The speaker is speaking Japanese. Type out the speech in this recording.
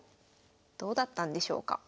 どうだったんでしょうか。